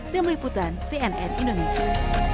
demi liputan cnn indonesia